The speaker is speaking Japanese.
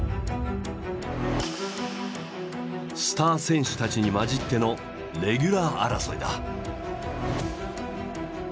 スター選手たちに交じってのレギュラー争いだ。